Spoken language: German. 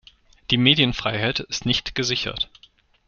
Die Medienfreiheit ist nicht gesichert.